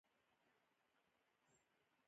تعجب اوس هر چېرته له شعر سره مل وي